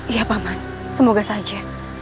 iya paman semoga saja